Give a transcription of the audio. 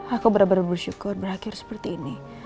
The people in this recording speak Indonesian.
aku benar benar bersyukur berakhir seperti ini